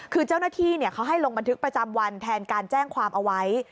คือเจ้าหน้าที่เขาให้ลงบันทึกประจำวันแทนการแจ้งความเอาไว้